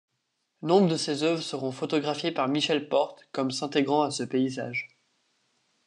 Nombre de ses œuvres seront photographiées par Michelle Porte, comme s’intégrant à ce paysage.